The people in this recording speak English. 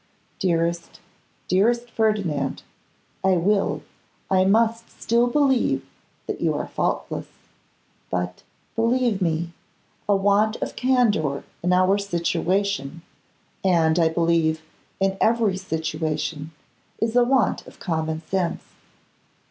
Dearest, dearest Ferdinand, I will, I must still believe that you are faultless; but, believe me, a want of candour in our situation, and, I believe, in every situation, is a want of common sense.